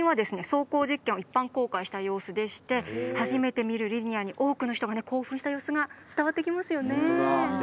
走行実験を一般公開した様子でして初めて見るリニアに多くの人が興奮した様子が伝わってきますよね。